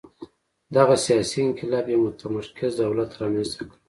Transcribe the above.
دغه سیاسي انقلاب یو متمرکز دولت رامنځته کړ.